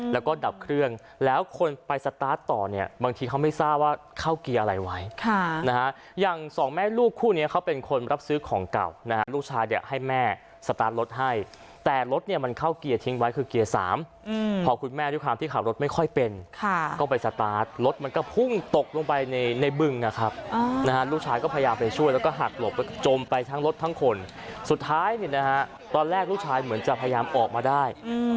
แล้วก็ดับเครื่องแล้วคนไปสตาร์ทต่อเนี่ยบางทีเขาไม่ทราบว่าเข้าเกียร์อะไรไว้ค่ะนะฮะอย่างสองแม่ลูกคู่เนี่ยเขาเป็นคนรับซื้อของเก่านะฮะลูกชายเนี่ยให้แม่สตาร์ทรถให้แต่รถเนี่ยมันเข้าเกียร์ทิ้งไว้คือเกียร์สามอืมพอคุณแม่ด้วยความที่ขับรถไม่ค่อยเป็นค่ะก็ไปสตาร์ทรถมันก็พุ่งตกลงไป